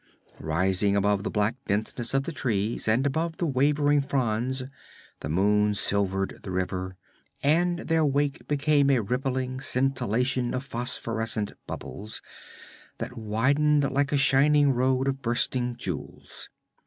Rising above the black denseness of the trees and above the waving fronds, the moon silvered the river, and their wake became a rippling scintillation of phosphorescent bubbles that widened like a shining road of bursting jewels.